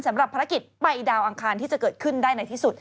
สำหรับภารกิจไปดาวอังคารที่จะเกิดขึ้นได้ในที่สุด